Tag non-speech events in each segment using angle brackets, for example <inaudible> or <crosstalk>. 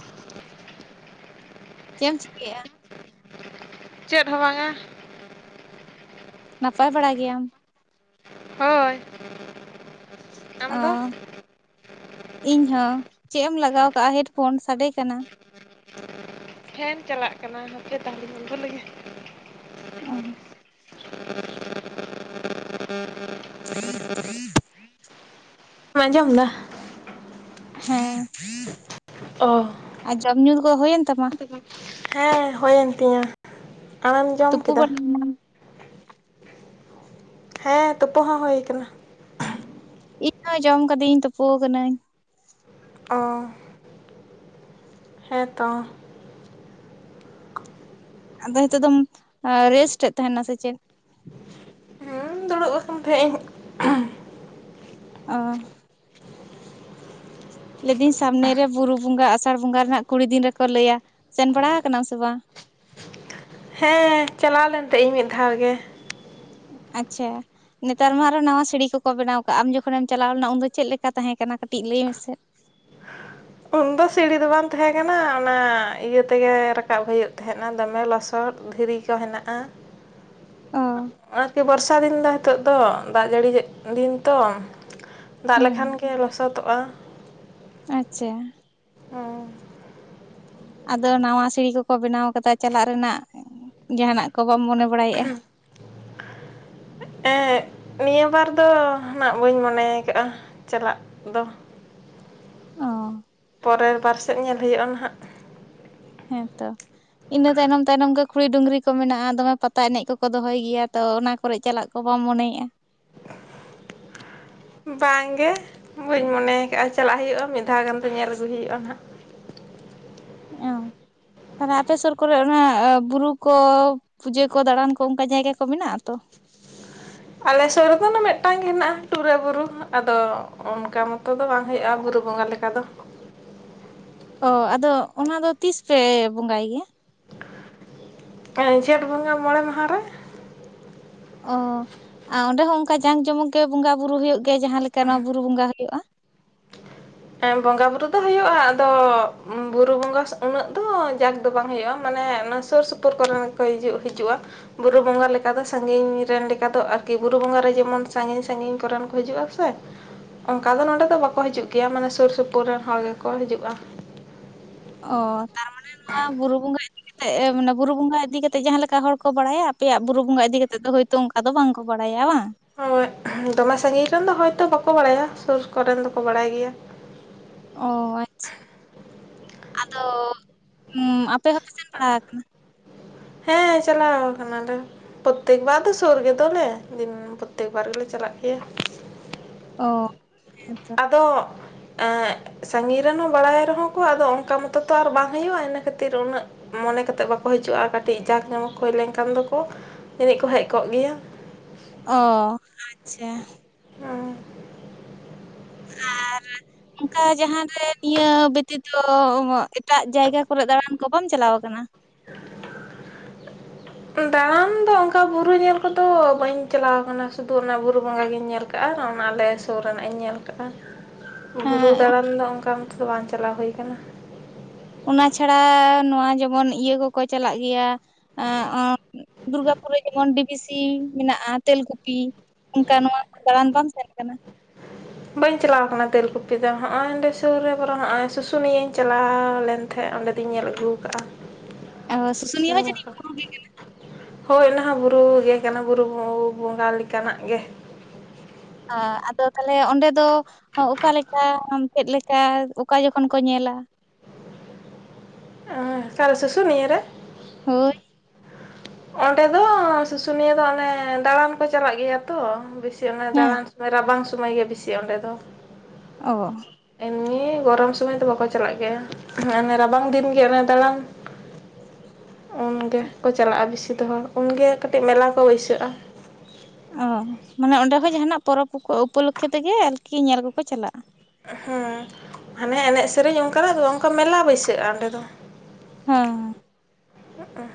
<inaudible> ᱪᱮᱫ ᱮᱢ ᱪᱤᱠᱟᱹᱭᱟ? ᱪᱮᱫ ᱦᱚᱸ ᱵᱟᱝᱟ᱾ ᱱᱟᱯᱟᱭ ᱵᱟᱲᱟ ᱜᱮᱭᱟᱢ? ᱦᱳᱭ᱾ ᱚ ᱟᱢᱫᱚ ᱤᱧ ᱦᱚᱸ ᱪᱮᱫ ᱮᱢ ᱞᱟᱜᱟᱣ ᱠᱟᱜᱼᱟ ᱦᱮᱰᱯᱷᱳᱱ ᱥᱟᱰᱮ ᱠᱟᱱᱟ ᱾ ᱯᱷᱮᱱ ᱪᱟᱞᱟᱜ ᱠᱟᱱᱟ ᱱᱯᱮ ᱛᱟᱦᱚᱞᱮᱧ ᱵᱚᱱᱫᱚ ᱞᱮᱜᱮ ᱚᱸᱦᱚ ᱾ <unintelligible> ᱟᱸᱡᱚᱢ ᱫᱟ ᱾ ᱦᱮᱸ ᱚ ᱾ ᱟᱨ ᱡᱚᱢ ᱧᱩ ᱫᱚ ᱠᱚ ᱦᱩᱭᱮᱱ ᱛᱟᱢᱟ? ᱦᱮᱸ ᱦᱩᱭᱮᱱ ᱛᱤᱧᱟᱹ ᱟᱢᱮᱢ ᱡᱚᱢ ᱛᱩᱯᱩ ᱠᱮᱫᱟ? ᱵᱟᱲᱟᱭᱮᱱᱟᱢ? ᱦᱮᱸ ᱛᱩᱯᱩ ᱦᱚᱸ ᱦᱩᱭᱩ ᱟᱠᱟᱱᱟ᱾ ᱤᱧᱦᱚ ᱡᱚᱢ ᱠᱟᱹᱫᱟᱹᱧ ᱛᱩᱯᱩ ᱟᱠᱟᱱᱟᱹᱧ᱾ ᱚ ᱸᱻ ᱾ ᱦᱮᱸ ᱛᱚ ᱟᱫᱚ ᱱᱤᱛᱚᱜ ᱫᱚᱢ ᱨᱮᱥᱴ ᱮᱫ ᱛᱟᱦᱮᱱᱟ ᱥᱮ ᱪᱮᱫ ᱦᱩᱸ ᱫᱩᱲᱩᱵ ᱟᱠᱟᱱ ᱛᱟᱦᱮᱸᱫ ᱤᱧ <unintelligible> ᱚᱼᱼ ᱞᱟᱹᱭ ᱮᱫᱟᱹᱧ ᱥᱟᱢᱱᱮ ᱨᱮ ᱵᱩᱨᱩ ᱵᱚᱸᱜᱟ ᱟᱥᱟᱲ ᱵᱚᱸᱜᱟ ᱨᱮᱱᱟᱜ ᱠᱩᱲᱤ ᱫᱤᱱ ᱨᱮᱠᱚ ᱞᱟᱹᱭᱟ ᱥᱮᱱ ᱵᱟᱲᱟ ᱟᱠᱟᱱᱟ ᱥᱮ ᱵᱟᱝ? ᱦᱮᱸ ᱪᱟᱞᱟᱣ ᱞᱮᱱ ᱛᱟᱦᱮᱸ ᱤᱧ ᱢᱤᱫ ᱫᱷᱟᱣ ᱜᱮ᱾ ᱟᱪᱷᱟ᱾ ᱱᱮᱛᱟᱨ ᱢᱟ ᱟᱨᱚ ᱱᱟᱣᱟ ᱥᱤᱲᱤ ᱠᱚᱠᱚ ᱵᱮᱱᱟᱣ ᱠᱟᱜᱼᱟ᱾ ᱟᱢ ᱡᱚᱠᱷᱚᱱᱮᱢ ᱪᱟᱞᱟᱣ ᱞᱮᱱᱟ ᱩᱱ ᱫᱚ ᱪᱮᱫ ᱞᱮᱠᱟ ᱛᱟᱦᱮᱸ ᱠᱟᱱᱟ ᱠᱟᱹᱴᱤᱡ ᱞᱟᱹᱭ ᱢᱮᱥᱮᱼᱼ ᱩᱱ ᱫᱚ ᱥᱤᱲᱤ ᱫᱚ ᱵᱟᱝ ᱛᱟᱦᱮᱸ ᱠᱟᱱᱟ ᱚᱱᱟ ᱤᱭᱟᱹ ᱛᱮᱜᱮ ᱨᱟᱠᱟᱵ ᱦᱩᱭᱩᱜ ᱛᱟᱦᱮᱸᱫ ᱫᱚᱢᱮ ᱞᱚᱥᱚᱫ᱾ ᱫᱷᱤᱨᱤ ᱠᱚ ᱦᱮᱱᱟᱜᱼᱟ ᱾ ᱚᱼᱼ ᱾ ᱟᱨᱠᱤ ᱵᱚᱨᱥᱟ ᱫᱤᱱ ᱫᱚ ᱱᱤᱛᱚᱜ ᱫᱚ ᱫᱟᱜ ᱡᱟᱹᱲᱤ ᱫᱤᱱ ᱛᱚᱼᱼ ᱫᱟᱜ ᱦᱩᱸ ᱞᱮᱠᱷᱟᱱ ᱜᱮ ᱞᱚᱥᱚᱫᱚᱜᱼᱟ᱾ ᱟᱪᱪᱷᱟ ᱦᱩᱸ ᱟᱫᱚ ᱱᱟᱣᱟ ᱥᱤᱲᱤ ᱠᱚᱠᱚ ᱵᱮᱱᱟᱣ ᱠᱟᱫᱟ ᱪᱟᱞᱟᱜ ᱨᱮᱱᱟᱜ ᱡᱟᱦᱟᱱᱟᱜ ᱠᱚ ᱵᱟᱢ ᱢᱚᱱᱮ ᱵᱟᱲᱟᱭᱮᱫᱼᱟ <unintelligible> ᱼᱼ ᱱᱤᱭᱟᱹ ᱵᱟᱨ ᱫᱚ ᱦᱟᱜ ᱵᱟᱹᱧ ᱢᱚᱱᱮ ᱟᱠᱟᱫᱼᱟ ᱪᱟᱞᱟᱜ ᱫᱚ᱾ ᱚ ᱯᱚᱨᱮᱨ ᱵᱟᱨ ᱥᱮᱫ ᱧᱮᱞ ᱦᱩᱭᱩᱜᱼᱟ ᱱᱟᱦᱟᱜ᱾ ᱦᱮᱸ ᱛᱚ᱾ ᱤᱱᱟᱹ ᱛᱟᱭᱱᱚᱢ ᱛᱟᱭᱱᱚᱢ ᱜᱮ ᱠᱷᱩᱲᱤ ᱰᱩᱝᱨᱤ ᱠᱚ ᱢᱮᱱᱟᱜᱼᱟ ᱫᱚᱢᱮ ᱯᱟᱛᱟ ᱮᱱᱮᱡ ᱠᱚᱠᱚ ᱫᱚᱦᱚᱭ ᱜᱮᱭᱟ ᱛᱚ ᱚᱱᱟᱼᱼ ᱠᱚᱨᱮ ᱪᱟᱞᱟᱜ ᱠᱚ ᱵᱟᱢ ᱢᱚᱱᱮᱭᱮᱫᱼᱟ? ᱵᱟᱝᱜᱮ ᱵᱟᱹᱧ ᱢᱚᱱᱮ ᱠᱟᱜᱼᱟ ᱪᱟᱞᱟᱜ ᱦᱩᱭᱩᱜᱼᱟ ᱢᱤᱫ ᱫᱷᱟᱣ ᱜᱟᱱ ᱫᱚ ᱧᱮᱞ ᱟᱹᱜᱩᱭ ᱦᱩᱭᱩᱜᱼᱟ ᱦᱟᱜᱼᱼ ᱚ ᱛᱟᱦᱚᱞᱮ ᱟᱯᱮ ᱥᱩᱨ ᱠᱚᱨᱮ ᱚᱱᱟ ᱵᱩᱨᱩ ᱠᱚᱼᱼ ᱯᱩᱡᱟᱹ ᱠᱚ ᱫᱟᱬᱟᱱ ᱠᱚ ᱚᱱᱠᱟ ᱡᱟᱭᱜᱟ ᱠᱚ ᱢᱮᱱᱟᱜᱼᱟ ᱛᱚ? ᱟᱞᱮ ᱥᱩᱨ ᱨᱮᱫᱚ ᱢᱤᱫᱴᱟᱝ ᱜᱮ ᱦᱮᱱᱟᱜᱼᱟ ᱴᱩᱨᱟᱹ ᱵᱩᱨᱩ ᱟᱫᱚ ᱚᱱᱠᱟ ᱢᱚᱛᱚ ᱫᱚ ᱵᱟᱝ ᱦᱩᱭᱩᱜᱼᱟ ᱵᱩᱨᱩᱼᱼ ᱵᱚᱸᱜᱟ ᱞᱮᱠᱟ ᱫᱚ᱾ ᱚ ᱟᱫᱚ ᱚᱱᱟ ᱫᱚ ᱛᱤᱥ ᱯᱮ ᱵᱚᱸᱜᱟᱭ ᱜᱮᱭᱟ? ᱚᱱᱮ ᱡᱷᱮᱸᱴ ᱵᱚᱸᱜᱟ ᱢᱚᱬᱮ ᱢᱟᱦᱟ ᱨᱮ᱾ ᱚ ᱟᱨ ᱚᱸᱰᱮ ᱦᱚᱸ ᱚᱱᱠᱟ ᱡᱟᱠ ᱡᱚᱢᱚᱠ ᱜᱮ ᱵᱚᱸᱜᱟ ᱵᱩᱨᱩ ᱦᱩᱭᱩᱜ ᱜᱮᱭᱟ ᱡᱟᱦᱟᱸ ᱞᱮᱠᱟ ᱱᱚᱣᱟ ᱵᱩᱨᱩ ᱵᱚᱸᱜᱟ ᱦᱩᱭᱩᱜᱼᱟ? ᱵᱚᱸᱜᱟ ᱵᱩᱨᱩ ᱫᱚ ᱦᱩᱭᱩᱜᱼᱟ ᱟᱫᱚ ᱵᱩᱨᱩ ᱵᱚᱸᱜᱟ ᱩᱱᱟᱹᱜ ᱫᱚ ᱡᱟᱠ ᱫᱚ ᱵᱟᱝ ᱦᱩᱭᱩᱜᱼᱟ ᱢᱟᱱᱮᱼᱼ ᱥᱩᱨ ᱥᱩᱯᱩᱨ ᱠᱚᱨᱮ ᱠᱚ ᱦᱤᱡᱩᱜ ᱦᱤᱡᱩᱜᱼᱟ᱾ ᱵᱩᱨᱩ ᱵᱚᱸᱜᱟ ᱞᱮᱠᱟ ᱫᱚ ᱥᱟᱺᱜᱤᱧ ᱨᱮᱱ ᱞᱮᱠᱟ ᱫᱚ ᱟᱨᱠᱤ ᱵᱩᱨᱩ ᱵᱚᱸᱜᱟ ᱨᱮ ᱡᱮᱢᱚᱱ ᱥᱟᱺᱜᱤᱧ ᱥᱟᱺᱜᱤᱧ ᱠᱚᱨᱮᱱ ᱠᱚ ᱦᱤᱡᱩᱜᱼᱟᱼᱼ ᱥᱮ ᱚᱱᱠᱟ ᱫᱚ ᱱᱚᱰᱮ ᱫᱚ ᱵᱟᱠᱚ ᱦᱤᱡᱩᱜ ᱜᱮᱭᱟ ᱢᱟᱱᱮ ᱥᱩᱨ ᱥᱩᱯᱩᱨ ᱨᱮᱱ ᱦᱚᱲ ᱜᱮᱠᱚ ᱦᱤᱡᱩᱜᱼᱟ᱾ ᱚ ᱛᱟᱨᱢᱟᱱᱮ ᱱᱚᱣᱟ ᱵᱩᱨᱩ ᱵᱚᱸᱜᱟ <unintelligible> ᱼᱼ <unintelligible> ᱢᱟᱱᱮ ᱵᱩᱨᱩ ᱵᱚᱸᱜᱟ ᱤᱫᱤ ᱠᱟᱛᱮᱜ ᱡᱟᱦᱟᱸ ᱞᱮᱠᱟ ᱦᱚᱲ ᱠᱚ ᱵᱟᱲᱟᱭᱟ ᱟᱯᱮᱭᱟᱜ ᱵᱩᱨᱩ ᱵᱚᱸᱜᱟ ᱤᱫᱤ ᱠᱟᱛᱮ ᱫᱚ <unintelligible> ᱼᱼ ᱛᱚ ᱚᱱᱠᱟ ᱫᱚ ᱵᱟᱝ ᱠᱚ ᱵᱟᱲᱟᱭᱟ ᱵᱟᱝ? ᱦᱳᱭ ᱾ᱫᱚᱢᱮ ᱥᱟᱺᱜᱤᱧ ᱨᱮᱱ ᱫᱚ ᱦᱚᱭᱛᱚ ᱵᱟᱠᱚ ᱵᱟᱲᱟᱭᱟ ᱥᱩᱨ ᱠᱚᱨᱮᱱ ᱫᱚᱠᱚ ᱵᱟᱲᱟᱭ ᱜᱮᱭᱟ᱾ ᱚ ᱟᱪᱪᱷᱟ᱾ <unintelligible> ᱟᱫᱚ ᱟᱯᱮ ᱦᱚᱸᱯᱮ ᱥᱮᱱ ᱵᱟᱲᱟ ᱟᱠᱟᱱᱟ? ᱦᱮᱸ ᱪᱟᱞᱟᱣ ᱟᱠᱟᱱᱟᱞᱮ᱾ ᱯᱨᱚᱛᱛᱮᱠ ᱵᱟᱨ ᱫᱚ ᱥᱩᱨ ᱜᱫᱚᱞᱮ ᱯᱨᱚᱛᱛᱮᱠ ᱵᱟᱨ ᱜᱮᱞᱮ ᱪᱟᱞᱟᱜ ᱜᱮᱭᱟ᱾ ᱚ <unintelligible> ᱼᱼ ᱟᱫᱚ <unintelligible> ᱼᱼ ᱥᱟᱺᱜᱤᱧ ᱨᱮᱱ ᱦᱚᱸ ᱵᱟᱲᱟᱭ ᱨᱮᱦᱚᱸ ᱠᱚ ᱟᱫᱚ ᱚᱱᱠᱟ ᱢᱚᱛᱚ ᱛᱚ ᱟᱨ ᱵᱟᱝ ᱦᱩᱭᱩᱜᱼᱟ ᱤᱱᱟᱹ ᱠᱷᱟᱹᱛᱤᱨ ᱩᱱᱟᱹᱜᱼᱼ ᱢᱚᱱᱮ ᱠᱟᱛᱮᱜ ᱵᱟᱠᱚ ᱦᱤᱡᱩᱜᱼᱟ᱾ ᱠᱟᱹᱴᱤᱡ ᱡᱟᱠ ᱡᱚᱢᱚᱠ ᱦᱩᱭ ᱞᱮᱱᱠᱷᱟᱱ ᱫᱚᱠᱚ ᱡᱟᱹᱱᱤᱡ ᱠᱚ ᱦᱮᱡ ᱠᱚᱜ ᱜᱮᱭᱟᱼᱼ ᱚ <unintelligible> ᱟᱪᱪᱷᱟ᱾ <unintelligible> ᱦᱮᱸ᱾ <unintelligible> ᱟᱨᱼᱼ ᱚᱱᱠᱟ ᱡᱟᱦᱟᱸᱨᱮ ᱱᱤᱭᱟᱹ ᱵᱤᱛᱤ ᱫᱚ ᱮᱴᱟᱜ ᱡᱟᱭᱜᱟ ᱠᱚᱨᱮ ᱫᱟᱬᱟᱱ ᱠᱚ ᱵᱟᱢ ᱪᱟᱞᱟᱣ ᱟᱠᱟᱱᱟ? <unintelligible> ᱼᱼ ᱫᱟᱬᱟᱱ ᱫᱚ ᱚᱱᱠᱟ ᱵᱩᱨᱩ ᱧᱮᱞ ᱠᱚᱫᱚ ᱵᱟᱹᱧ ᱪᱟᱞᱟᱣ ᱟᱠᱟᱱᱟ ᱥᱩᱫᱩ ᱚᱱᱟ ᱵᱩᱨᱩ ᱵᱚᱸᱜᱟ ᱜᱤᱧ ᱧᱮᱞ <unintelligible> ᱼᱼ <unintelligible> ᱟᱨ ᱚᱱᱟ ᱟᱞᱮ ᱥᱩᱨ ᱨᱮᱱᱟᱜ ᱤᱧ ᱧᱮᱞ <unintelligible> ᱼᱼ <unintelligible> ᱵᱩᱨᱩ ᱦᱮᱸ ᱫᱟᱬᱟᱱ ᱫᱚ ᱚᱱᱠᱟ ᱢᱚᱛᱚ ᱫᱛ ᱵᱟᱝ ᱪᱟᱞᱟᱣ ᱦᱩᱭ ᱟᱠᱟᱱᱟ᱾ ᱚᱱᱟ ᱪᱷᱟᱲᱟ ᱱᱚᱣᱟ ᱡᱮᱢᱚᱱ ᱤᱭᱟᱹ ᱠᱚᱠᱚ ᱪᱟᱞᱟᱜ ᱜᱮᱭᱟᱼᱼ <unintelligible> ᱫᱩᱨᱜᱟᱯᱩᱨ ᱨᱮ ᱡᱮᱢᱚᱱ ᱰᱤᱵᱤᱥᱤ ᱢᱮᱱᱟᱜᱼᱟ ᱛᱮᱞᱠᱩᱯᱤᱼᱼ ᱚᱱᱠᱟ ᱱᱚᱣᱟ ᱠᱚ ᱫᱟᱬᱟᱱ ᱵᱟᱢ ᱥᱮᱱ ᱟᱠᱟᱱᱟ? ᱵᱟᱹᱧ ᱪᱟᱞᱟᱣ ᱠᱟᱱᱟ ᱛᱮᱞᱠᱩᱯᱤ ᱫᱚ ᱱᱚᱱᱚᱸᱰᱮ ᱥᱩᱨ ᱨᱮ ᱵᱚᱨᱚ ᱱᱚᱜᱼᱚᱭ ᱥᱩᱥᱩᱱᱤᱭᱟᱹᱧ ᱪᱟᱞᱟᱣ ᱞᱮᱱ ᱛᱟᱦᱮᱸᱫ ᱚᱸᱰᱮ ᱛᱧ ᱧᱮᱞ ᱟᱹᱜᱩ ᱟᱠᱟᱫᱼᱟ ᱚ, ᱥᱩᱥᱩᱱᱤᱭᱟᱹ ᱥᱩᱥᱩᱱᱭᱟ. ᱡᱟᱹᱱᱤᱡ ᱦᱚᱸ ᱵᱩᱨᱩ ᱜᱮ ᱦᱳᱭ ᱚᱱᱟᱦᱚᱸ ᱵᱩᱨᱩ ᱜᱮ ᱠᱟᱱᱟ ᱵᱩᱨᱩ ᱵᱚᱸᱜᱟ ᱞᱮᱠᱟᱱᱟᱜ ᱜᱮ ᱚ ᱟᱫᱚ ᱛᱟᱦᱚᱞᱮ ᱚᱸᱰᱮ ᱫᱚ ᱚᱠᱟᱞᱮᱠᱟ ᱪᱮᱫᱞᱮᱠᱟ ᱚᱠᱟ ᱡᱚᱠᱷᱚᱱ ᱠᱚ ᱧᱮᱞᱟ ᱚᱸ ᱠᱟᱨᱮ ᱥᱩᱥᱩᱱᱤᱭᱟᱹ. ᱨᱮ ᱦᱳᱭ ᱚᱸᱰᱮ ᱫᱚ ᱥᱩᱥᱩᱱᱤᱭᱟᱹ ᱫᱚ ᱚᱱᱮ ᱫᱟᱬᱟᱱ ᱠᱚ ᱪᱟᱞᱟᱜ ᱜᱮᱭᱟ ᱛᱚ ᱵᱮᱥᱤ ᱚᱱᱮ ᱦᱮᱸ ᱫᱟᱬᱟᱱ ᱥᱚᱢᱚᱭ ᱨᱟᱵᱟᱝ ᱥᱚᱢᱚᱭ ᱜᱮ ᱵᱤᱥᱤ ᱚᱸᱰᱮ ᱫᱚ ᱚ ᱮᱢᱱᱤ ᱜᱚᱨᱚᱢ ᱥᱚᱢᱚᱭ ᱫᱚ ᱵᱟᱠᱚ ᱪᱟᱞᱟᱜ ᱜᱮᱭᱟ ᱦᱮᱸ ᱨᱟᱵᱟᱝ ᱫᱤᱱ ᱜᱮ ᱚᱱᱮ ᱫᱟᱬᱟᱱ <inaudible> ᱩᱱ ᱜᱮᱠᱚ ᱪᱟᱞᱟᱜᱼᱟ, ᱵᱮᱥᱤ ᱫᱚ ᱦᱚᱲ ᱩᱱᱜᱮ ᱠᱟᱹᱴᱤᱡ ᱢᱮᱞᱟ ᱠᱚ ᱵᱟᱹᱭᱥᱟᱹᱜᱼᱟ ᱾ ᱚ ᱢᱟᱱᱮ ᱚᱸᱰᱮ ᱦᱚᱸ ᱡᱟᱦᱟᱱᱟᱜ ᱯᱚᱨᱚᱵᱽ ᱠᱚ ᱩᱯᱚᱞᱚᱠᱷᱮ ᱛᱮᱜᱮ ᱟᱨᱠᱤ ᱧᱮᱞ ᱠᱚᱠᱚ ᱪᱟᱞᱟᱜᱼᱟ ᱾ ᱦᱮᱸ ᱦᱟᱱᱮ ᱮᱱᱮᱡ ᱥᱮᱨᱮᱧ ᱚᱱᱠᱟᱱᱟᱜ ᱚᱱᱠᱟ ᱢᱮᱞᱟ ᱵᱟᱹᱭᱥᱟᱹᱜᱼᱟ ᱚᱸᱰᱮ ᱫᱚ ᱦᱮᱸ ᱾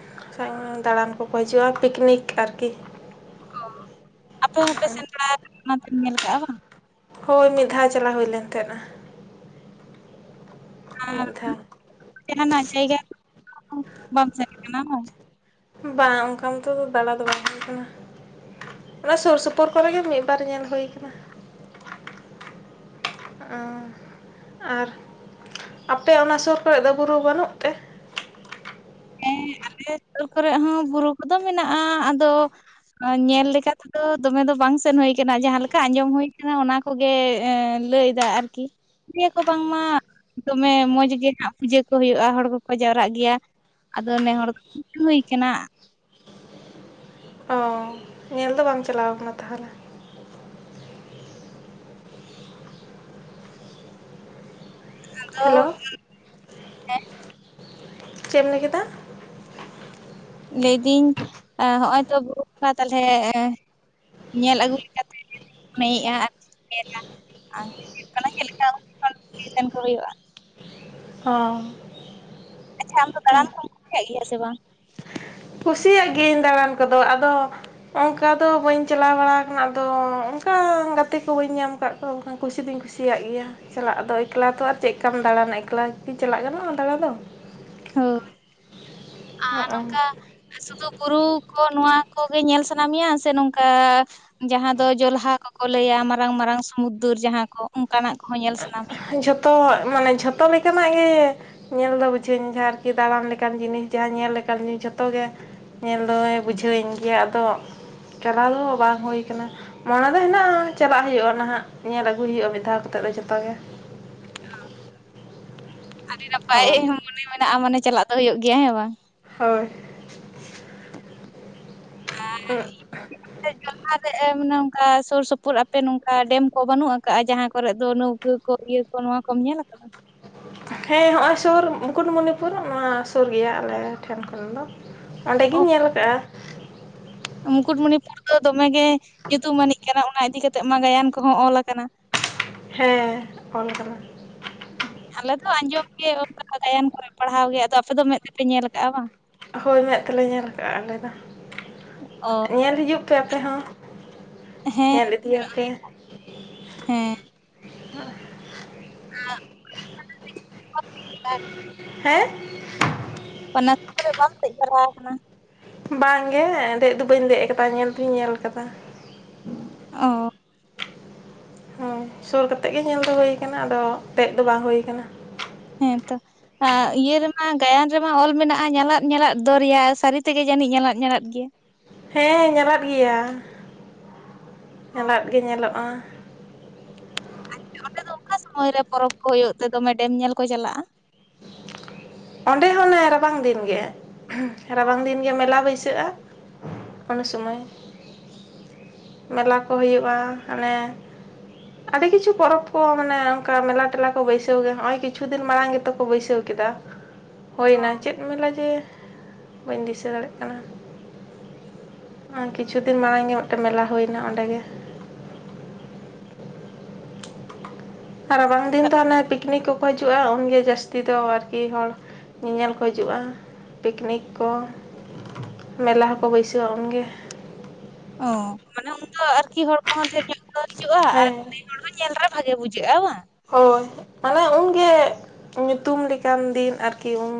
<unintelligible> ᱫᱟᱬᱟᱱ ᱠᱚᱠᱚ ᱦᱤᱡᱩᱜᱼᱟ ᱯᱤᱠᱱᱤᱠ ᱟᱨᱠᱤ ᱚ ᱟᱯᱮ ᱦᱚᱸᱯᱮ ᱥᱮᱱ ᱵᱟᱲᱟᱠᱟᱱᱟ ᱚᱱᱟᱛᱮᱢ ᱧᱮᱞ ᱠᱟᱜᱼᱟ ᱵᱟᱝ ᱦᱳᱭ ᱢᱤᱫ ᱫᱷᱟᱣ ᱪᱟᱞᱟᱣ ᱦᱳᱭᱞᱮᱱ ᱛᱟᱸᱦᱮᱱᱟ ᱾ ᱢᱤᱫᱫᱷᱟ ᱾ ᱪᱮᱱᱟᱱᱟᱜ ᱡᱟᱭᱜᱟ ᱠᱚ ᱵᱟᱢ ᱥᱮᱱ ᱠᱟᱱᱟ ᱵᱟᱝ? ᱵᱟᱝ ᱚᱱᱠᱟ ᱢᱚᱛᱚ ᱫᱚ ᱫᱟᱬᱟ ᱫᱚ ᱵᱟᱭ ᱦᱩᱭ ᱠᱟᱱᱟ ᱾ ᱚᱱᱟ ᱥᱩᱨ ᱥᱩᱯᱩᱨ ᱠᱚᱨᱮᱜ ᱜᱮ ᱢᱤᱫᱵᱟᱨ ᱧᱮᱞ ᱦᱳᱭ ᱠᱟᱱᱟ ᱾ ᱚᱸ ᱟᱨ, ᱟᱯᱮ ᱚᱱᱟ ᱥᱩᱨ ᱠᱚᱨᱮ ᱫᱚ ᱵᱩᱨᱩ ᱵᱟᱹᱱᱩᱜ ᱛᱮ? ᱦᱮᱸ ᱟᱞᱮ ᱥᱩᱨ ᱠᱚᱨᱮ ᱦᱚᱸ ᱵᱩᱨᱩ ᱠᱚᱫᱚ ᱢᱮᱱᱟᱜᱼᱟ ᱟᱫᱚ ᱧᱮᱞ ᱞᱮᱠᱟᱛᱮᱫᱚ ᱫᱚᱢᱮ ᱫᱚ ᱵᱟᱝ ᱥᱮᱱ ᱦᱳᱭ ᱟᱠᱟᱱᱟ ᱡᱟᱸᱦᱟ ᱞᱮᱠᱟ ᱟᱸᱡᱚᱢ ᱦᱳᱭ ᱟᱠᱟᱱᱟ ᱚᱱᱟ ᱠᱚᱜᱮ ᱞᱟᱹᱭ ᱮᱫᱟ ᱟᱨᱠᱤ ᱞᱟᱹᱭ ᱟᱠᱚ ᱵᱟᱝᱢᱟ ᱫᱚᱢᱮ ᱢᱚᱡᱽ ᱜᱮ ᱱᱟᱜ ᱯᱩᱡᱟᱹ ᱠᱚ ᱦᱳᱭᱳᱜᱼᱟ ᱦᱚᱲ ᱠᱚᱠᱚ ᱡᱟᱣᱨᱟᱜ ᱜᱮᱭᱟ ᱾ ᱟᱫᱚ ᱱᱮ ᱦᱚᱲ ᱫᱚ <unintelligible> ᱠᱟᱱᱟ ᱚ ᱧᱮᱞ ᱫᱚ ᱵᱟᱢ ᱪᱟᱞᱟᱣ ᱠᱟᱱᱟ ᱛᱟᱦᱚᱞᱮ? ᱟᱫᱚ ᱦᱮᱞᱳ, ᱪᱮᱫ ᱮᱢ ᱞᱟᱹᱭ ᱠᱮᱫᱟ ᱞᱟᱹᱭᱫᱤᱧ ᱦᱚᱜᱼᱚᱭ ᱛᱚ ᱵᱩᱨᱩ ᱵᱚᱸᱜᱟ ᱛᱟᱦᱞᱮ ᱧᱮᱞ ᱟᱹᱜᱩ ᱞᱮᱠᱟ ᱛᱮᱜᱮ ᱢᱚᱱᱮᱭᱮᱫᱼᱟ ᱟᱨᱠᱤ ᱧᱮᱞᱟ ᱚᱱᱠᱟᱱᱟ ᱪᱮᱫ ᱞᱮᱠᱟ ᱠᱚᱢᱯᱤᱴᱤᱥᱮᱱ ᱠᱚ ᱦᱩᱭᱩᱜᱼᱟ ᱾ ᱦᱚᱸ ᱾ ᱟᱪᱪᱷᱟ ᱟᱢᱫᱚ ᱫᱟᱲᱟᱱ ᱠᱚᱢ ᱠᱩᱤᱭᱟᱜ ᱜᱮᱭᱟ ᱥᱮ ᱵᱟᱝ? ᱠᱩᱥᱤᱭᱟᱜ ᱜᱤᱭᱟᱹᱧ ᱫᱟᱬᱟᱱ ᱠᱚᱫᱚ ᱟᱫᱚ ᱚᱱᱠᱟ ᱫᱚ ᱵᱟᱹᱧ ᱪᱟᱞᱟᱣ ᱵᱟᱲᱟ ᱟᱠᱟᱱᱟ ᱟᱫᱚ ᱚᱱᱠᱟ ᱜᱟᱛᱮ ᱠᱚ ᱵᱟᱹᱧ ᱧᱟᱢ ᱟᱠᱟᱫ ᱛᱚ ᱚᱝᱠᱟ ᱠᱩᱥᱤ ᱫᱚᱩᱧ ᱠᱩᱥᱤᱭᱟᱜ ᱜᱮᱭᱟ ᱾ ᱪᱟᱞᱟᱜ ᱫᱚ ᱮᱠᱞᱟ ᱛᱚ ᱟᱨ ᱪᱮᱫ ᱞᱮᱠᱟᱢ ᱫᱟᱬᱟᱱᱟ ᱮᱠᱞᱟ ᱠᱤ ᱪᱟᱞᱟᱜ ᱜᱟᱱᱟᱜᱼᱟ ᱫᱟᱬᱟ ᱫᱚ ᱦᱳᱭ ᱟᱨ ᱦᱚᱸᱜᱼᱚ ᱱᱚᱝᱠᱟ ᱥᱩᱫᱩ ᱵᱩᱨᱩ ᱠᱚ ᱱᱚᱣᱟ ᱠᱚᱜᱮ ᱧᱮᱞ ᱥᱟᱱᱟ ᱢᱮᱭᱟ ᱥᱮ ᱱᱚᱝᱠᱟ ᱡᱟᱦᱟᱸ ᱫᱚ ᱡᱚᱞᱦᱟ ᱠᱚᱠᱚ ᱞᱟᱹᱭᱟ ᱢᱟᱨᱟᱝ ᱢᱟᱨᱟᱝ ᱥᱩᱚᱢᱩᱫᱨ ᱡᱟᱦᱟᱸ ᱠᱚ ᱚᱱᱠᱟᱱᱟᱜ ᱠᱚᱦᱚᱸ ᱧᱮᱞ ᱥᱟᱱᱟ ᱢᱮᱭᱟ ᱾ ᱛᱚ ᱢᱟᱱᱮ ᱡᱷᱚᱛᱚ ᱞᱮᱠᱟᱱᱟᱜ ᱜᱮ ᱧᱮᱞ ᱫᱚ ᱵᱩᱡᱷᱟᱹᱧ ᱡᱟᱸᱦᱟ ᱟᱨᱠᱤ ᱫᱟᱬᱟᱱ ᱞᱮᱠᱟᱱ ᱡᱤᱱᱤᱥ ᱡᱟᱦᱟᱸ ᱧᱮᱞ ᱞᱮᱠᱟᱱ ᱡᱤᱱᱤᱥ ᱡᱷᱚᱛᱚ ᱜᱮ ᱧᱮᱞ ᱫᱚ ᱵᱩᱡᱷᱟᱹᱣᱤᱧ ᱜᱮᱭᱟ ᱟᱫᱚ ᱪᱟᱞᱟᱣ ᱫᱚ ᱵᱟᱝ ᱦᱩᱭ ᱠᱟᱱᱟ ᱾ ᱢᱚᱱᱮ ᱫᱚ ᱦᱮᱱᱟᱜᱼᱟ ᱪᱟᱞᱟᱜ ᱦᱩᱭᱩᱜᱼᱟ ᱱᱟᱦᱟᱜ ᱧᱮᱞ ᱟᱹᱜᱩᱭ ᱦᱩᱭᱩᱜᱼᱟ ᱢᱤᱫ ᱫᱷᱟᱣ ᱠᱟᱛᱮᱫ ᱫᱚ ᱡᱚᱛᱚ ᱜᱮ ᱚ, ᱟᱹᱰᱤ ᱱᱟᱯᱟᱭ ᱦᱳᱭ ᱢᱚᱱᱮ ᱢᱮᱱᱟᱜᱼᱟ ᱢᱟᱱᱮ ᱪᱟᱞᱟᱜ ᱫᱚ ᱦᱩᱭᱩᱜ ᱜᱮᱭᱟ ᱦᱮᱸ ᱵᱟᱝ, ᱦᱳᱭ ᱾ <unintelligible> <inaudible> ᱞᱟᱦᱟᱨᱮ ᱮ ᱢᱟᱱᱮ ᱱᱚᱝᱠᱟ ᱥᱩᱨ ᱥᱩᱯᱩᱨ ᱟᱯᱮ ᱱᱚᱝᱠᱟ ᱰᱮᱢ ᱠᱚ ᱵᱟᱹᱱᱩᱜ ᱠᱟᱜᱼᱟ ᱡᱟᱦᱟᱸ ᱠᱚᱨᱮ ᱫᱚ ᱱᱟᱹᱣᱠᱟᱹ ᱠᱚ ᱤᱭᱟᱹ ᱠᱚ ᱱᱚᱣᱟ ᱠᱚᱢ ᱧᱮᱞ ᱠᱟᱫᱟ ᱾ ᱦᱮᱸ ᱦᱚᱸᱱᱚᱜᱼᱚᱭ ᱥᱩᱨ ᱢᱩᱠᱩᱴᱢᱚᱱᱤᱯᱩᱨ ᱱᱚᱣᱟ ᱥᱩᱨ ᱜᱮᱭᱟ ᱟᱞᱮ ᱴᱷᱮᱱ ᱠᱷᱚᱱ ᱫᱚ ᱚᱸᱰᱮ ᱚ ᱜᱤᱧ ᱧᱮᱞ ᱠᱟᱜᱼᱟ ᱾ ᱢᱩᱠᱩᱴᱢᱩᱱᱤᱯᱩᱨ ᱫᱚ ᱫᱚᱢᱮᱜᱮ ᱧᱩᱛᱩᱢᱟᱱᱤᱡ ᱠᱟᱱᱟ ᱾ ᱚᱱᱟ ᱤᱫᱤ ᱠᱟᱛᱮᱜ ᱢᱟ ᱜᱟᱭᱟᱱ ᱠᱚᱦᱚᱸ ᱚᱞ ᱠᱟᱱᱟ ᱾ ᱦᱮᱸ ᱚᱞ ᱠᱟᱱᱟ ᱾ ᱟᱞᱮ ᱫᱚ ᱟᱸᱡᱚᱢ ᱜᱮ ᱚᱱᱠᱟ ᱜᱟᱭᱟᱱ ᱠᱚᱨᱮ ᱯᱟᱲᱦᱟᱣ ᱜᱮ ᱟᱫᱚ ᱟᱯᱮ ᱫᱚ ᱢᱮᱜ ᱛᱮᱯᱮ ᱧᱮᱞ ᱠᱟᱜᱼᱟ ᱵᱟᱝ? ᱦᱳᱭ ᱢᱮᱜ ᱛᱮᱞᱮ ᱧᱮᱞ ᱠᱟᱜᱼᱟ ᱟᱞᱮ ᱫᱚ ᱚ ᱧᱮᱞ ᱦᱤᱡᱩᱜ ᱯᱮ ᱟᱯᱮ ᱦᱚᱸ᱾ ᱦᱮᱸ ᱧᱮᱞ ᱤᱫᱤᱭᱟᱯᱮ, ᱦᱮᱸ᱾ ᱦ <unintelligible> ᱦᱮᱸ? ᱚᱱᱟ ᱠᱚᱨᱮ ᱵᱟᱢ ᱫᱮᱡ ᱵᱟᱲᱟ ᱠᱟᱱᱟ? ᱵᱟᱝᱜᱮ ᱫᱮᱡ ᱫᱚ ᱵᱟᱹᱧ ᱫᱮᱡ ᱟᱠᱟᱫᱟ ᱧᱮᱞ ᱫᱩᱧ ᱧᱮᱞ ᱠᱟᱫᱟ᱾ ᱚ᱾ ᱦᱳᱸ ᱥᱩᱨ ᱠᱟᱛᱮᱜ ᱜᱮ ᱧᱮᱞ ᱫᱚ ᱦᱩᱭ ᱟᱨ ᱠᱟᱱᱟ ᱟᱫᱚ ᱫᱮᱡ ᱫᱚ ᱵᱟᱝ ᱦᱩᱭ ᱠᱟᱱᱟ᱾ ᱦᱮᱸ ᱛᱚ, ᱤᱭᱟᱹ ᱨᱮᱢᱟ ᱜᱟᱭᱟᱱ ᱨᱮᱢᱟ ᱚᱞ ᱢᱮᱱᱟᱜᱼᱟ ᱧᱟᱞᱟᱫ ᱧᱟᱞᱟᱫ ᱫᱚᱨᱭᱟ ᱥᱟᱹᱨᱤ ᱛᱮᱜᱮ ᱡᱟᱹᱱᱤᱡ ᱧᱟᱞᱟᱫ ᱧᱟᱞᱟᱫ ᱜᱮᱭᱟ? ᱦᱮᱸ ᱧᱟᱞᱟᱫ ᱜᱮᱭᱟ ᱚ ᱧᱟᱞᱟᱫ ᱜᱮ ᱧᱮᱞᱚᱜᱼᱟ᱾ ᱟᱪᱪᱷᱟ ᱚᱸᱰᱮ ᱫᱚ ᱚᱠᱟ ᱥᱚᱢᱚᱭ ᱨᱮ ᱯᱚᱨᱚᱵᱽ ᱠᱚ ᱦᱳᱭᱳᱜ ᱛᱮ ᱫᱚᱢᱮ ᱰᱮᱢ ᱧᱮᱞ ᱠᱚ ᱪᱟᱞᱟᱜᱼᱟ? ᱚᱸᱰᱮ ᱦᱚᱸ ᱚᱱᱮ ᱨᱟᱵᱟᱝ ᱫᱤᱱ ᱜᱮ᱾ ᱨᱟᱵᱟᱝ ᱫᱤᱱ ᱜᱮ ᱢᱮᱞᱟ ᱵᱟᱹᱭᱥᱟᱹᱜᱼᱟ ᱩᱱ ᱥᱚᱢᱚᱭ᱾ ᱢᱮᱞᱟ ᱠᱚ ᱦᱩᱭᱩᱜᱼᱟ ᱦᱟᱱᱮ, ᱟᱹᱰᱤ ᱠᱤᱪᱷᱩ ᱯᱚᱨᱚᱵᱽ ᱠᱚ ᱢᱟᱱᱮ ᱚᱱᱠᱟ ᱢᱮᱞᱟ ᱴᱮᱞᱟ ᱠᱚ ᱵᱟᱹᱭᱥᱟᱹᱣ ᱜᱮ ᱦᱚᱜᱼᱚᱭ ᱠᱤᱪᱷᱩ ᱫᱤᱱ ᱢᱟᱲᱟᱝ ᱜᱮᱛᱚ ᱠᱚ ᱵᱟᱹᱭᱥᱟᱹᱣ ᱠᱮᱫᱟ, ᱦᱩᱭᱱᱟ ᱪᱮᱫ ᱢᱮᱞᱟ ᱡᱮ ᱵᱟᱹᱧ ᱫᱤᱥᱟᱹ ᱫᱟᱲᱮᱭᱟᱜ ᱠᱟᱱᱟ, ᱦᱮᱸ ᱠᱤᱪᱷᱩ ᱫᱤᱱ ᱢᱟᱲᱟᱝ ᱜᱮ ᱢᱤᱫᱴᱮᱱ ᱢᱮᱞᱟ ᱦᱩᱭᱱᱟ ᱚᱸᱰᱮ ᱜᱮ᱾ ᱨᱟᱵᱟᱝ ᱫᱤᱱ ᱫᱚ ᱦᱟᱱᱮ ᱯᱤᱠᱱᱤᱠ ᱠᱚᱠᱚ ᱦᱤᱡᱩᱜᱼᱟ ᱩᱱᱜᱮ ᱡᱟᱹᱥᱛᱤ ᱫᱚ ᱟᱨᱠᱤ ᱦᱚᱲ, ᱧᱮᱧᱮᱞ ᱠᱚ ᱦᱤᱡᱩᱜᱼᱟ ᱯᱤᱠᱱᱤᱠ ᱠᱚ, ᱢᱮᱞᱟ ᱦᱚᱸᱠᱚ ᱵᱟᱹᱭᱥᱟᱹᱣᱟ ᱩᱱᱜᱮ᱾ ᱚ ᱢᱟᱱᱮ ᱩᱱᱫᱚ ᱟᱨᱠᱤ ᱦᱚᱲ ᱠᱚᱦᱚᱸ ᱰᱷᱮᱨ ᱧᱚᱜ ᱠᱚ ᱦᱤᱡᱩᱜᱼᱟ ᱟᱨ ᱦᱮᱸ ᱚᱱᱮ, ᱦᱚᱲ ᱫᱚ ᱧᱮᱞ ᱨᱮ ᱵᱷᱟᱜᱮ ᱵᱩᱡᱷᱟᱹᱜᱼᱟ ᱵᱟᱝ? ᱦᱳᱭ ᱢᱟᱱᱮ ᱩᱱᱜᱮ ᱧᱩᱛᱩᱢ ᱞᱮᱠᱟᱱ ᱫᱤᱱ ᱟᱨᱠᱤ ᱩᱱ᱾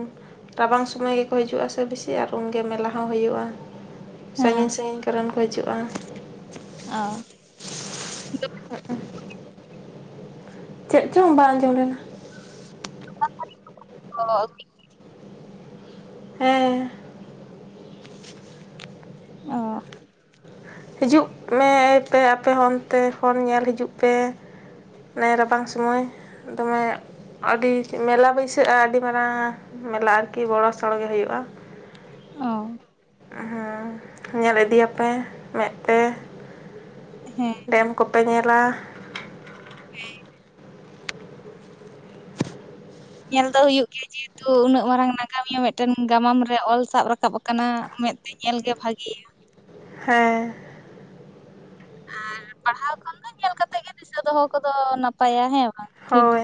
ᱨᱟᱵᱟᱝ ᱥᱚᱢᱚᱭ ᱜᱮᱠᱚ ᱦᱤᱡᱩᱜᱼᱟ ᱥᱮ ᱵᱮᱥᱤ ᱟᱨ ᱩᱱᱜᱮ ᱢᱮᱞᱟ ᱦᱚᱸ ᱦᱩᱭᱩᱜᱼᱟ᱾ ᱦᱮᱸ ᱥᱟᱺᱜᱤᱧ ᱥᱟᱺᱜᱤᱧ ᱠᱚᱨᱮᱱ ᱠᱚ ᱦᱤᱡᱩᱜᱼᱟ᱾ ᱚ᱾ ᱚ <unintelligible> ᱪᱮᱜ ᱪᱚᱝ ᱵᱟᱝ ᱟᱸᱡᱚᱢ ᱞᱮᱱᱟ? ᱚ <unintelligible> ᱦᱮᱸ, ᱚ, ᱦᱤᱡᱩᱜ ᱢᱮ ᱯᱮ ᱟᱯᱮ ᱦᱚᱸ ᱚᱱᱛᱮ ᱠᱷᱚᱱ ᱯᱷᱳᱱ ᱧᱮᱞ ᱦᱤᱡᱩᱜ ᱯᱮ᱾ ᱱᱮ ᱨᱟᱵᱟᱝ ᱥᱚᱢᱚᱭ ᱫᱚᱢᱮ, ᱟᱹᱰᱤ ᱢᱮᱞᱟ ᱵᱟᱹᱭᱥᱟᱹᱜᱼᱟ ᱟᱹᱰᱤ ᱢᱟᱨᱟᱝ ᱢᱮᱞᱟ ᱟᱨᱠᱤ ᱵᱚᱲᱚ ᱥᱚᱲᱚ ᱜᱮ ᱦᱩᱭᱩᱜᱼᱟ᱾ ᱚ ᱦᱩᱸ ᱧᱮᱞ ᱤᱫᱤᱭᱟᱯᱮ ᱢᱮᱜ ᱛᱮ᱾ ᱦᱮᱸ ᱰᱮᱢ ᱠᱚᱯᱮ ᱧᱮᱞᱟ᱾ ᱦᱮᱸ, ᱧᱮᱞ ᱫᱚ ᱦᱩᱭᱩᱜ ᱜᱮᱭᱟ ᱡᱮᱦᱮᱛᱩ ᱩᱱᱟᱹᱜ ᱢᱟᱨᱟᱝ ᱱᱟᱜᱟᱢᱤᱭᱟᱹ ᱢᱤᱫᱴᱮᱱ ᱜᱟᱢᱟᱢ ᱨᱮ ᱚᱞ ᱥᱟᱵ ᱨᱟᱠᱟᱵ ᱟᱠᱟᱱᱟ ᱢᱮᱫᱛᱮ, ᱧᱮᱞ ᱜᱮ ᱵᱷᱟᱜᱮᱭᱟ ᱾ ᱦᱮᱸ, ᱟᱨ ᱯᱟᱲᱦᱟᱣ ᱠᱷᱚᱱ ᱫᱚ ᱧᱮᱞ ᱠᱟᱛᱮ ᱜᱮ ᱫᱤᱥᱟᱹ ᱫᱚᱦᱚ ᱠᱚᱫᱚ ᱱᱟᱯᱟᱭᱟ ᱦᱮᱸ ᱵᱟᱝ, ᱯᱷᱤᱞᱰ ᱦᱳᱭ᱾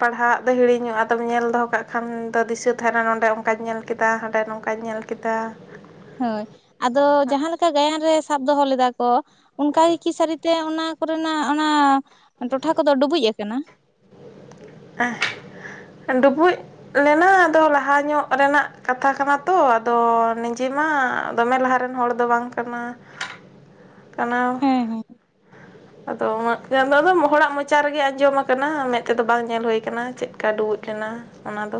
ᱯᱟᱲᱦᱟᱜ ᱫᱚ ᱦᱤᱲᱤᱧᱚᱜᱼᱟ ᱟᱫᱚᱢ ᱧᱮᱞ ᱫᱚᱦᱚ ᱠᱟᱜ ᱠᱷᱟᱱ ᱫᱚ ᱫᱤᱥᱟᱹ ᱛᱟᱦᱮᱱᱟ ᱱᱚᱸᱰᱮ ᱚᱱᱠᱟᱧ ᱧᱮᱞ ᱠᱮᱫᱟ ᱦᱟᱸᱰᱮ ᱱᱚᱝᱠᱟᱧ ᱧᱮᱞ ᱠᱮᱫᱟ ᱾ ᱠᱮᱫᱟ ᱦᱳᱭ ᱟᱫᱚ ᱡᱟᱦᱟᱸ ᱞᱮᱠᱟ ᱜᱟᱭᱟᱱ ᱨᱮ ᱥᱟᱵ ᱫᱚᱦᱚ ᱞᱮᱫᱟ ᱠᱚ ᱾ ᱚᱱᱠᱟ ᱜᱮ ᱠᱤ ᱥᱟᱹᱨᱤᱛᱮ ᱚᱱᱟ ᱠᱚᱨᱮᱱᱟᱜ ᱚᱱᱟ ᱴᱚᱴᱷᱟ ᱠᱚᱫᱚ ᱰᱩᱵᱩᱡ ᱟᱠᱟᱱᱟ? ᱰᱩᱵᱩᱡ ᱞᱮᱱᱟ ᱟᱫᱚ ᱞᱟᱦᱟ ᱧᱚᱜ ᱨᱮᱱᱟᱜ ᱠᱟᱛᱷᱟ ᱠᱟᱱᱟ ᱛᱚ ᱟᱫᱚ ᱱᱤᱡᱮ ᱢᱟ ᱫᱚᱢᱮ ᱞᱟᱦᱟ ᱨᱮᱱ ᱦᱚᱲ ᱫᱚ ᱵᱟᱝ ᱠᱟᱱᱟ ᱠᱟᱱᱟᱣ ᱦᱮᱸ ᱦᱮᱸ ᱟᱫᱚ ᱩᱱᱟᱹᱜ ᱫᱚ ᱦᱚᱲᱟᱜ ᱢᱚᱪᱟ ᱨᱮᱜᱮ ᱟᱸᱡᱚᱢ ᱟᱠᱟᱱᱟ ᱢᱮᱫ ᱛᱮ ᱫᱚ ᱵᱟᱝ ᱧᱮᱞ ᱦᱩᱭᱩ ᱟᱠᱟᱱᱟ ᱪᱮᱫᱟ ᱰᱩᱵᱩᱡ ᱞᱮᱱᱟ ᱾ ᱚᱱᱟ ᱫᱚ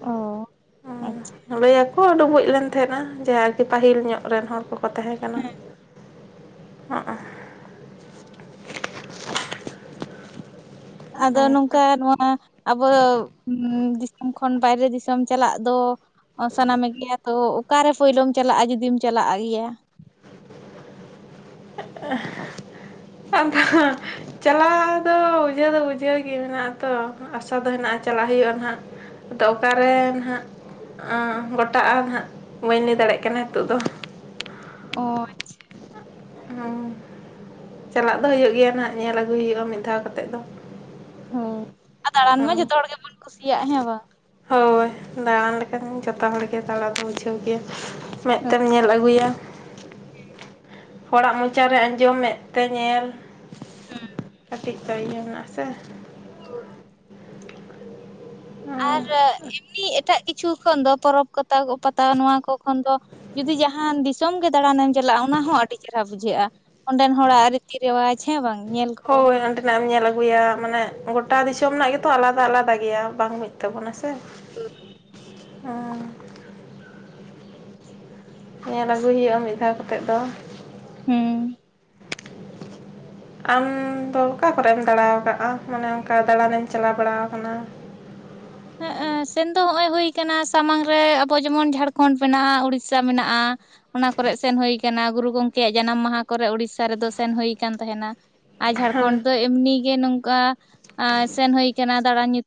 ᱚ ᱟᱪᱪᱷᱟ ᱾ ᱞᱟᱹᱭᱟᱠᱚ ᱰᱩᱵᱩᱡ ᱞᱮᱱ ᱛᱦᱱᱟ ᱡᱮ ᱟᱨᱠᱤ ᱯᱟᱹᱦᱤᱞ ᱧᱚᱜ ᱨᱮᱱ ᱦᱚᱲ ᱠᱚᱠᱚ ᱛᱟᱦᱮᱸ ᱠᱟᱱᱟ ᱾ ᱦᱩᱸ ᱚ ᱟᱫᱚ ᱱᱚᱝᱠᱟ ᱱᱚᱣᱟ ᱟᱵᱚ ᱫᱤᱥᱚᱢ ᱠᱷᱚᱱ ᱵᱟᱭᱨᱮ ᱫᱤᱥᱚᱢ ᱪᱟᱞᱟᱜ ᱫᱚ᱾ ᱚ ᱥᱟᱱᱟᱢᱮ ᱜᱮᱭᱟ ᱛᱚ ᱚᱠᱟᱨᱮ ᱯᱳᱭᱞᱳᱢ ᱪᱟᱞᱟᱜᱼᱟ ᱡᱩᱫᱤᱢ ᱪᱟᱞᱟᱜ ᱜᱮᱭᱟ? ᱟᱫᱚ ᱪᱟᱞᱟᱣ ᱫᱚ ᱵᱩᱡᱷᱟᱹᱣ ᱫᱚ ᱵᱩᱡᱷᱟᱹᱣ ᱜᱮ ᱢᱮᱱᱟᱜᱼᱟ ᱛᱚ ᱟᱥᱟ ᱫᱚ ᱦᱮᱱᱟᱜᱼᱟ ᱪᱟᱞᱟᱜ ᱦᱩᱭᱩᱜᱼᱟ ᱱᱟᱦᱜ ᱾ ᱟᱫᱚ ᱚᱠᱟᱨᱮ ᱱᱟᱷᱜ ᱜᱚᱴᱟᱜᱼᱟ ᱦᱟᱸᱜ ᱵᱟᱹᱧ ᱞᱟᱹᱭ ᱫᱟᱲᱮᱭᱟᱜ ᱠᱟᱱᱟ ᱱᱤᱛᱚᱜ ᱫᱚ ᱾ ᱚ ᱟᱪᱪᱷᱟ ᱾ ᱦᱩᱸ ᱪᱟᱞᱟᱜ ᱫᱚ ᱦᱩᱭᱩᱜ ᱜᱮᱭᱟ ᱱᱟᱜ ᱧᱮᱞ ᱟᱹᱜᱩᱭ ᱦᱩᱭᱩᱜᱼᱟ ᱢᱤᱫ ᱫᱷᱟᱣ ᱠᱟᱛᱮ ᱫᱚ ᱾ ᱦᱳᱭ ᱟᱨ ᱫᱟᱬᱟᱱ ᱢᱟ ᱡᱚᱛᱚ ᱦᱚᱲ ᱜᱮᱵᱚᱱ ᱠᱩᱥᱤᱭᱟᱜ ᱦᱮᱸ ᱵᱟᱝ ᱦᱳᱭ ᱫᱟᱬᱟᱱ ᱞᱮᱠᱷᱟᱱ ᱡᱚᱛᱚ ᱦᱚᱲ ᱜᱮ ᱫᱟᱬᱟ ᱫᱚ ᱵᱩᱡᱷᱟᱹᱣ ᱜᱮᱭᱟ ᱾ ᱢᱮᱫ ᱦᱩᱸ ᱦᱩᱸ᱾ ᱛᱮᱢ ᱧᱮᱞ ᱟᱹᱜᱩᱭᱟ ᱾ ᱦᱚᱲᱟᱜ ᱢᱚᱪᱟᱨᱮ ᱟᱸᱡᱚᱢ ᱢᱮᱫ ᱛᱮ ᱧᱮᱞ ᱦᱩᱸ ᱴᱤᱠ ᱛᱟᱭᱚᱢᱟᱭᱚᱢᱥᱮ ᱟᱨ ᱮᱢᱱᱤ ᱮᱴᱟᱜ ᱠᱤᱪᱷᱩ ᱠᱷᱚᱱ ᱫᱚ ᱯᱚᱨᱚᱵᱽ ᱯᱟᱛᱟ ᱠᱚ ᱯᱟᱛᱟ ᱱᱚᱣᱟ ᱠᱚ ᱠᱷᱚᱱ ᱫᱚ ᱡᱩᱫᱤ ᱡᱟᱦᱟᱱ ᱫᱤᱥᱚᱢ ᱜᱮ ᱫᱟᱬᱟᱱᱮᱢ ᱪᱟᱞᱟᱜᱼᱟ ᱚᱱᱟ ᱦᱚᱸ ᱟᱹᱰᱤ ᱪᱮᱨᱦᱟ ᱵᱩᱡᱷᱟᱹᱜᱼᱟ ᱾ ᱚᱸᱰᱮᱱ ᱦᱚᱲᱟᱜ ᱨᱤᱛᱤ ᱨᱮᱣᱟᱡᱽ ᱦᱮᱸ ᱵᱟᱝ ᱧᱮᱞ ᱠᱚ ᱱᱟᱜ ᱮᱢ ᱧᱮᱞ ᱟᱹᱜᱩᱭᱟ ᱢᱟᱱᱮ ᱜᱚᱴᱟ ᱫᱤᱥᱚᱢ ᱨᱮᱱᱟᱜ ᱜᱮᱛᱚ ᱟᱞᱟᱫᱟ ᱟᱞᱟᱫᱟ ᱜᱮᱭᱟ ᱵᱟᱝ ᱢᱤᱫ ᱛᱟᱵᱚᱱᱟ ᱥᱮ ᱾ ᱚ ᱧᱮᱞ ᱟᱹᱜᱩᱭ ᱦᱩᱭᱩᱜᱼᱟ ᱢᱤᱫ ᱫᱷᱟᱹᱣ ᱠᱟᱛᱮ ᱫᱚ ᱾ ᱦᱮᱸ ᱟᱢᱫᱚ ᱚᱠᱟ ᱠᱚᱨᱮᱢ ᱫᱟᱬᱟ ᱟᱠᱟᱣ ᱠᱟᱜᱼᱟ ᱢᱟᱱᱮ ᱚᱱᱠᱟ ᱫᱟᱬᱟᱱᱮᱢ ᱪᱟᱞᱟᱣ ᱵᱟᱲᱟᱣ ᱟᱠᱟᱱᱟ ᱾ ᱦᱮᱸ ᱮ ᱥᱮᱱ ᱫᱚ ᱱᱚᱜᱼᱚᱭ ᱦᱩᱭ ᱠᱟᱱᱟ ᱥᱟᱢᱟᱝ ᱨᱮ ᱟᱵᱚ ᱡᱮᱢᱚᱱ ᱡᱷᱟᱲᱠᱷᱚᱸᱰ ᱢᱮᱱᱟᱜᱼᱟ ᱩᱲᱤᱥᱥᱟ ᱢᱮᱱᱟᱜᱼᱟ ᱾ ᱚᱱᱟ ᱠᱚᱨᱮᱜ ᱥᱮᱱ ᱦᱩᱭ ᱠᱟᱱᱟ ᱜᱩᱨᱩ ᱜᱚᱝᱠᱮᱭᱟᱜ ᱡᱟᱱᱟᱢ ᱢᱟᱦᱟ ᱠᱚᱨᱮᱜ ᱩᱲᱤᱥᱥᱟ ᱨᱮᱫᱚ ᱥᱮᱱ ᱦᱩᱭ ᱠᱟᱱᱟ ᱛᱟᱦᱮᱱᱟ ᱾ ᱟᱨ ᱡᱷᱟᱲᱠᱷᱚᱸᱰ ᱫᱚ ᱮᱢᱱᱤ ᱜᱮ ᱱᱚᱝᱠᱟ ᱥᱮᱱ ᱦᱩᱭ ᱟᱠᱟᱱᱟ ᱫᱟᱲᱟᱱ ᱧᱩᱛᱩᱢ